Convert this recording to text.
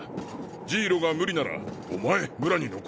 ジイロが無理ならお前村に残れ。